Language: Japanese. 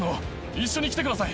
一緒に来てください。